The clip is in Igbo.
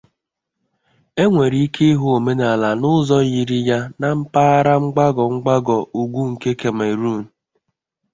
Enwere ike ihụ omenala a n'uzo yiri ya na mpaghara mgbago mgbago ugwu nke Cameroon.